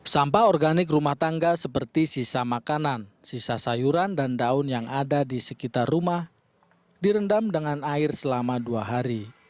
sampah organik rumah tangga seperti sisa makanan sisa sayuran dan daun yang ada di sekitar rumah direndam dengan air selama dua hari